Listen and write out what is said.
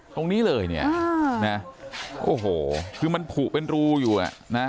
ตรงนี้เลยเนี่ยนะโอ้โหคือมันผูกเป็นรูอยู่อ่ะนะ